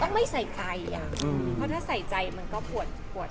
ไม่ใส่ใจอ่ะเพราะถ้าใส่ใจมันก็ปวดปวด